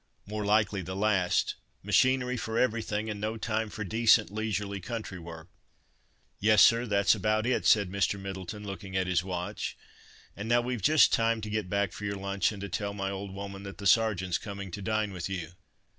More likely the last. Machinery for everything, and no time for decent leisurely country work." "Yes, sir—that's about it," said Mr. Middleton, looking at his watch, "and now we've just time to get back for your lunch, and to tell my old woman that the Sergeant's coming to dine with you."